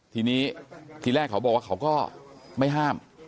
ทีนี้ทีแรกเขาบอกว่าเขาก็ไม่ห้าม